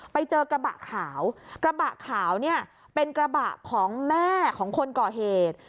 ไปเจอกระบะขาวกระบะขาวเนี่ยเป็นกระบะของแม่ของคนก่อเหตุ